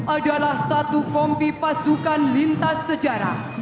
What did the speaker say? adalah satu kompi pasukan lintas sejarah